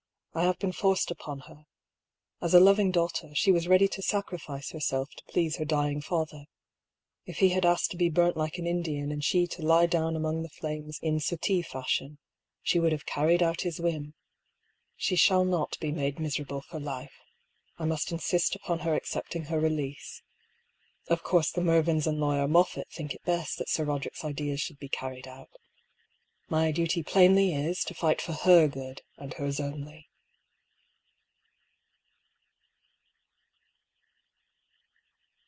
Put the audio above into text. I have THE LOCKET. 113 been forced upon her. As a loving daughter, she was ready to sacrifice herself to please her dying father. If he had asked to be burnt like an Indian and she to lie down among the flames in suttee fashion, she would have carried out his whim. She shall not be made miserable for life. I must insist upon her accepting her release. Of course the Mervyns and lawyer Moffatt think it best that Sir Koderick's ideas should be carried out. My duty plainly is, to fight for her good, and hers only."